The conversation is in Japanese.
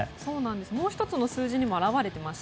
もう１つの数字にも表れています。